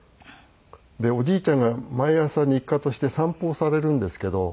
でおじいちゃんが毎朝日課として散歩をされるんですけど。